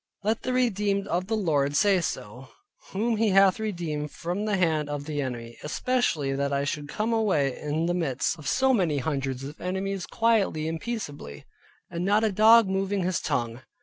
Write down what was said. Let the redeemed of the Lord say so, whom He hath redeemed from the hand of the enemy, especially that I should come away in the midst of so many hundreds of enemies quietly and peaceably, and not a dog moving his tongue.